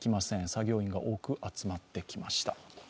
作業員が多く集まってきました。